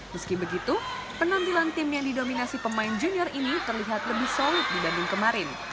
meski begitu penampilan tim yang didominasi pemain junior ini terlihat lebih solid dibanding kemarin